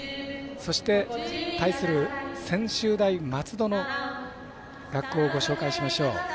そして、対する専修大松戸の学校をご紹介しましょう。